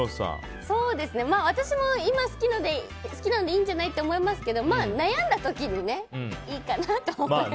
私も今好きなのでいいんじゃないって思いますけど悩んだ時にいいかなと思います。